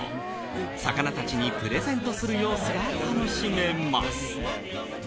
魚たちにプレゼントする様子が楽しめます。